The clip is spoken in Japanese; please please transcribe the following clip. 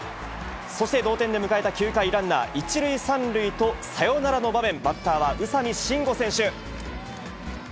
そして、同点で迎えた９回、ランナー１塁３塁とサヨナラの場面、バッターは宇佐見真吾選手。